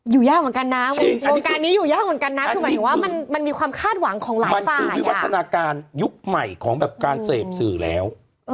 อยู่ยากเหมือนกันนะวงการนี้อยู่ยากเหมือนกันนะคือหมายถึงว่ามันมีความคาดหวังของหลายฝ่ายคือวิวัฒนาการยุคใหม่ของแบบการเสพสื่อแล้ว